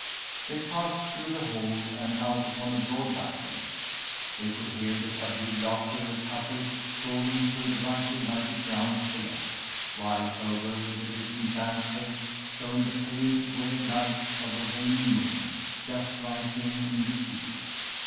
They passed through the hall and out upon a broad balcony. They could hear the subdued laughter of couples strolling through the brightly lighted grounds below, while over the distant landscape shone the pale weird light of the waning moon, just rising in the east.